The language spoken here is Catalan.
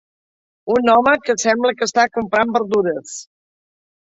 Un home que sembla que està comprant verdures.